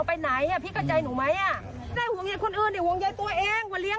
พลิกาจ่ายหนูไหมไม่ได้ห่วงใยคนอื่นหนูห่วงใครตัวเอง